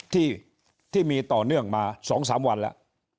ที่มีต่อเนื่องมา๒๓วันแล้ว